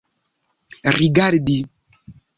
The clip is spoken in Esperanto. rigardi